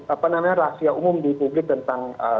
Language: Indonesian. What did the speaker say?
apa namanya rahasia umum di publik tentang